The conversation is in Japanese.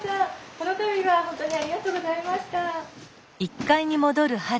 ・この度は本当にありがとうございました！